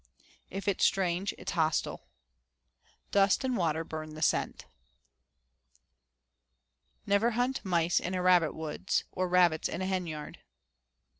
If it's strange, it's hostile. Dust and water burn the scent. Never hunt mice in a rabbit woods, or rabbits in a henyard.